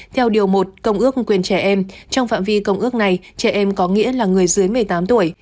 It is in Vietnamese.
theo điều một công ước quyền trẻ em trong phạm vi công ước này trẻ em có nghĩa là người dưới một mươi tám tuổi